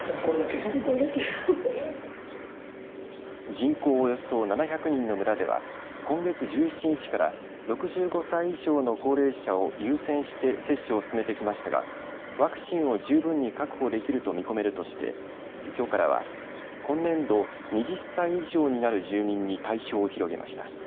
人口およそ７００人の村では今月１７日から６５歳以上の高齢者を優先して接種を進めてきましたがワクチンを十分に確保できると見込めるとしてきょうからは今年度２０歳以上になる住民に対象を広げました。